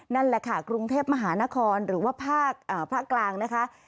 นั่นแหละค่ะกรุงเทพมหานครหรือว่าภาคกลางนะคะ